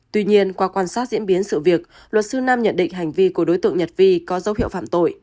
tuy nhiên qua quan sát diễn biến sự việc luật sư nam nhận định hành vi của đối tượng nhật vi có dấu hiệu phạm tội